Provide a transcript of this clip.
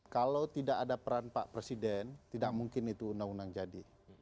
kalau tidak ada peran pak presiden tidak mungkin itu undang undang jadi